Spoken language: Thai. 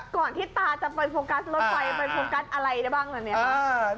ก่อนที่ตาจะไปโฟกัสรถไฟไปโฟกัสอะไรได้บ้าง